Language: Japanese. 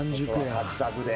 外はサクサクで。